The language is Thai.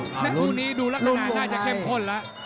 ถ้าคู่นี้ดูลักษณะน่าจะเข้มข้นแล้ว